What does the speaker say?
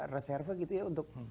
reserve gitu ya untuk